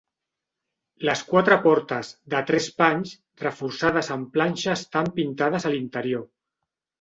Les quatre portes -de tres panys- reforçades amb planxa estan pintades a l'interior.